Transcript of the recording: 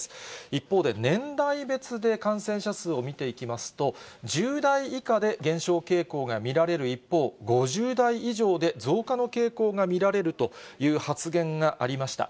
一方で、年代別で感染者数を見ていきますと、１０代以下で減少傾向が見られる一方、５０代以上で増加の傾向が見られるという発言がありました。